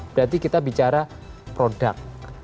berarti kita bicara produk